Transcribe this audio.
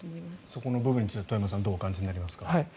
そこの部分についてはどうお感じになりますか。